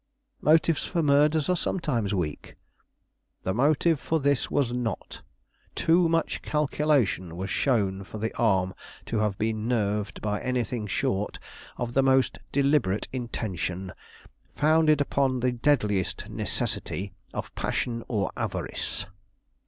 "Motives for murders are sometimes weak." "The motive for this was not. Too much calculation was shown for the arm to have been nerved by anything short of the most deliberate intention, founded upon the deadliest necessity of passion or avarice."